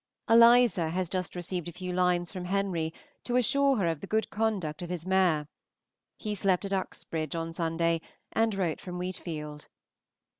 Eliza has just received a few lines from Henry to assure her of the good conduct of his mare. He slept at Uxbridge on Sunday, and wrote from Wheatfield.